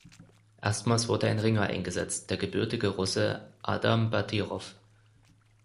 Erstmals wurde ein Ringer eingesetzt, der gebürtige Russe Adam Batirow.